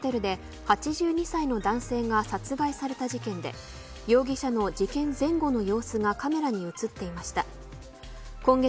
東京、池袋のホテルで８２歳の男性が殺害された事件で容疑者の事件前後の様子がカメラに映っていました。